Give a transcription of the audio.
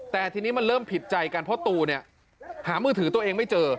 แต่ทีนี้มันเริ่มผิดใจกันเพราะตูเนี่ยหามือถือตัวเองไม่เจอ